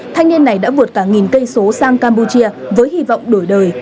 thanh niên này đã vượt cả nghìn cây số sang campuchia với hy vọng đổi đời